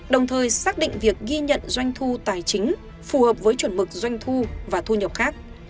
đồng thời xác định việc ghi nhận doanh thu tài chính phù hợp với chuẩn mực doanh thu và thu nhập khác